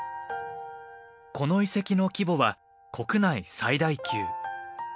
この遺跡の規模は国内最大級。